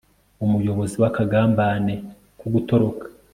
Umuyobozi w akagambane ko gutoroka